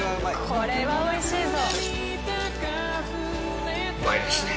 これは美味しいぞ。